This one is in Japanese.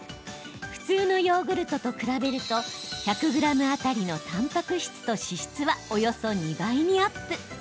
普通のヨーグルトと比べると１００ｇ当たりのたんぱく質と脂質はおよそ２倍にアップ。